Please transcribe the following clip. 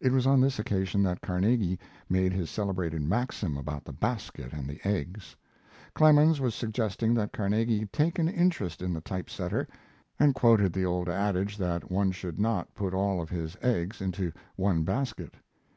It was on this occasion that Carnegie made his celebrated maxim about the basket and the eggs. Clemens was suggesting that Carnegie take an interest in the typesetter, and quoted the old adage that one should not put all of his eggs into one basket.